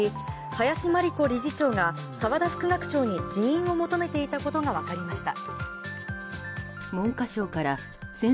林真理子理事長が澤田副学長に辞任を求めていたことが分かりました。